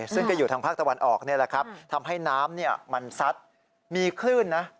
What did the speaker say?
ซึ่งจะอยู่ทางภาคตะวันออกทำให้น้ำมันซัดมีคลื่นนะ